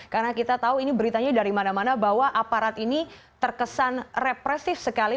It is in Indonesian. karena kita tahu ini beritanya dari mana mana bahwa aparat ini terkesan represif sekali